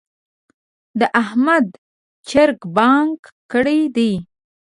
د احمد چرګ بانګ کړی دی.